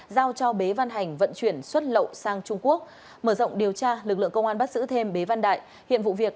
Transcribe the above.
giao cho bế văn hành vận chuyển xuất lậu sang trung quốc